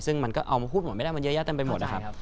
ซึ่งมันก็เอามาพูดหมดไม่ได้มันเยอะแยะเต็มไปหมดนะครับ